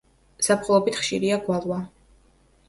ზაფხულობით ხშირია გვალვა.